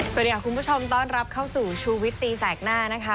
สวัสดีค่ะคุณผู้ชมต้อนรับเข้าสู่ชูวิตตีแสกหน้านะคะ